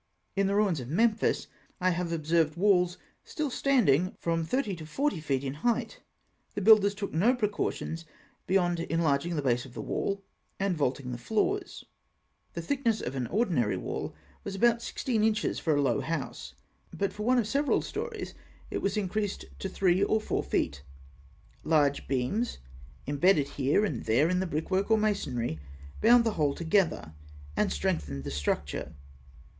In the ruins of Memphis, I have observed walls still standing from thirty to forty feet in height. The builders took no precaution beyond enlarging the base of the wall, and vaulting the floors (fig. 2). The thickness of an ordinary wall was about sixteen inches for a low house; but for one of several storeys, it was increased to three or four feet. Large beams, embedded here and there in the brickwork or masonry, bound the whole together, and strengthened the structure.